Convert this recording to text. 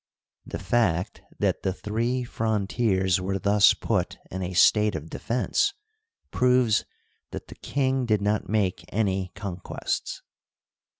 The fact that the three frontiers were thus put in a state of defense proves that the king did not make any con quests.